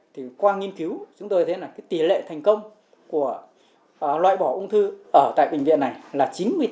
thì qua nghiên cứu chúng tôi thấy là cái tỷ lệ thành công của loại bỏ ung thư ở tại bệnh viện này là chín mươi tám